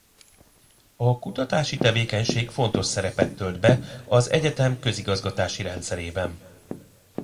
A kutatási tevékenység fontos szerepet tölt be az egyetem közigazgatási rendszerében.